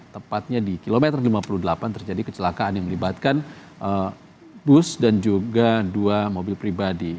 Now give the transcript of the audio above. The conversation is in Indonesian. tepatnya di kilometer lima puluh delapan terjadi kecelakaan yang melibatkan bus dan juga dua mobil pribadi